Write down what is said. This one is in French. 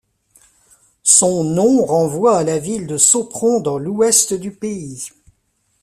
Son nom renvoie à la ville de Sopron dans l'ouest du pays.